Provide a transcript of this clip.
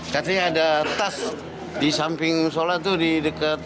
katanya ada tas di samping sholat itu di dekat